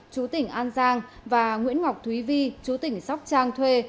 chủ tỉnh an giang và nguyễn ngọc thúy vi chủ tỉnh sóc trang thuê